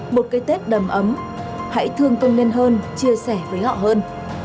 một cái tết đầm ấm hãy thương công nhân hơn chia sẻ với họ hơn